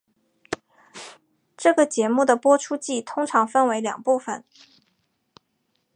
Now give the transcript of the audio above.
这个节目的播出季通常分为两部份。